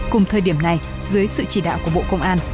cùng thời điểm này dưới sự chỉ đạo của bộ công an